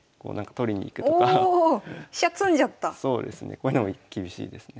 こういうのも厳しいですね。